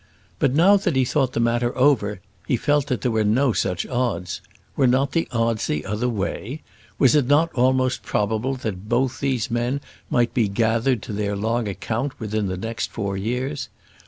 But now that he thought the matter over, he felt that there were no such odds. Were not the odds the other way? Was it not almost probable that both these men might be gathered to their long account within the next four years?